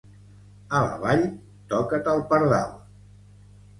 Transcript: A la Vall, toca't el pardal